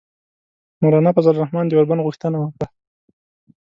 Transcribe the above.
مولانا فضل الرحمان د اوربند غوښتنه وکړه.